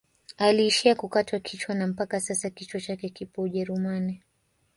Aliishia kukatwa kichwa na mpaka sasa kichwa chake kipo ujerumani